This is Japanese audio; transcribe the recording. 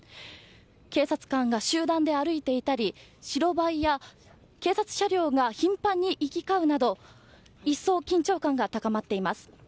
警察官が集団で歩いていたり白バイや警察車両が頻繁に行き交うなど一層、緊張感が高まっています。